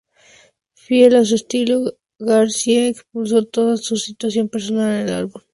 Fiel a su estilo, García expuso toda su situación personal en un álbum.